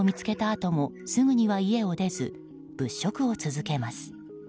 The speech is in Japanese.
あともすぐには家を出ず物色を続けます。